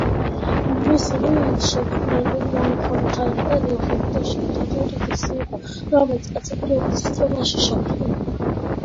მის მიერ შექმნილი მონღოლთა იმპერია, მსოფლიოში ერთ-ერთი უდიდესი იყო, რომელიც კაცობრიობის ისტორიაში შექმნილა.